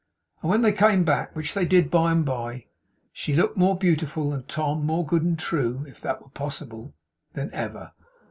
And when they came back, which they did by and bye, she looked more beautiful, and Tom more good and true (if that were possible) than ever.